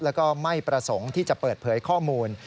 แล้วก็ไม่ประสงค์ที่จะเปิดเผยข้อมูล